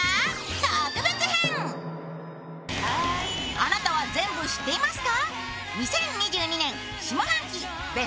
あなたは全部知っていますか？